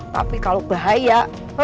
tapi kalau bahaya